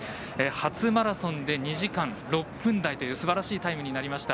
初マラソンで２時間６分台というすばらしいタイムになりました。